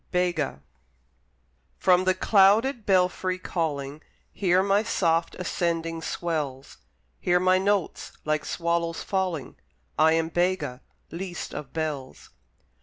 BEGA From the clouded belfry calling Hear my soft ascending swells, Hear my notes like swallows falling: I am Bega, least of bells.